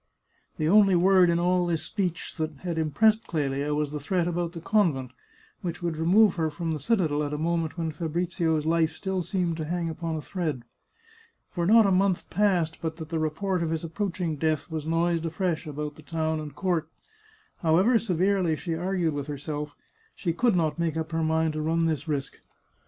The only word in all this speech that had impressed Clelia was the threat about the convent, which would re move her from the citadel at a moment when Fabrizio's life still seemed to hang upon a thread. For not a month passed but that the report of his approaching death was noised afresh about the town and court. However severely she argued with herself, she could not make up her mind to run this risk.